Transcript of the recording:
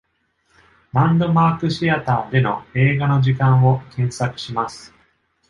ランドマークシアターでの映画の時間を検索します。